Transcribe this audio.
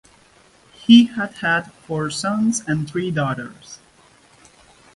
He had had four sons and three daughters.